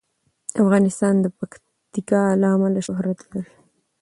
افغانستان د پکتیکا له امله شهرت لري.